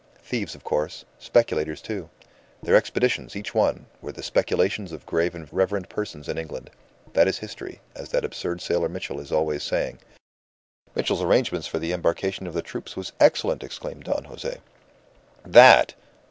Thieves, of course. Speculators, too. Their expeditions, each one, were the speculations of grave and reverend persons in England. That is history, as that absurd sailor Mitchell is always saying." "Mitchell's arrangements for the embarkation of the troops were excellent!" exclaimed Don Jose. "That!